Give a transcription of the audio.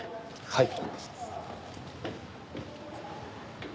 はい。